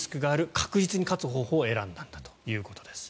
確実に勝つ方法を選んだんだということです。